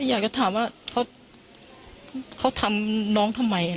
อยากจะถามว่าเขาทำน้องทำไม